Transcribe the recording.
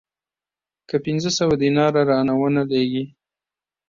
که پنځه سوه دیناره را ونه لېږې